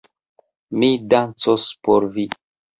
Mi dancos por vi.